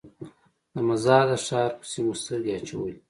د مزار د ښار پسې مو سترګې اچولې.